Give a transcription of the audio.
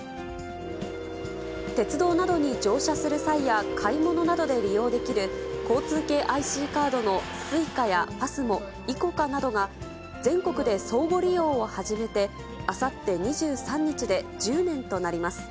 鉄道などに乗車する際や、買い物などで利用できる、交通系ＩＣカードのＳｕｉｃａやＰＡＳＭＯ、ＩＣＯＣＡなどが、全国で相互利用を始めてあさって２３日で１０年となります。